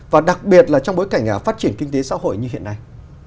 và đặc biệt là trong bối cảnh phát triển kinh tế xã hội như hiện nay